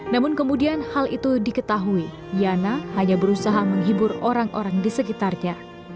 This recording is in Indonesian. namun kemudian hal itu diketahui yana hanya berusaha menghibur orang orang di sekitarnya